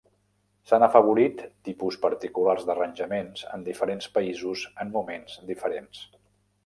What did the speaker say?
S'han afavorit tipus particulars d'arranjaments en diferents països en moments diferents.